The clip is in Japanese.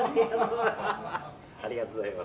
ありがとうございます。